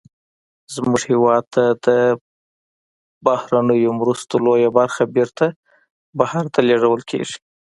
زمونږ هېواد ته د بهرنیو مرستو لویه برخه بیرته بهر ته لیږدول کیږي.